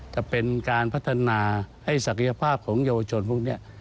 จะเป็นการพัฒนาให้ศักยภาพของเยาวชนพวกนี้